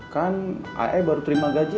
kan ayah ayah baru terima gaji